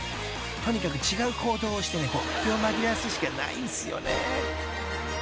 とにかく違う行動をしてね気を紛らわすしかないんすよね］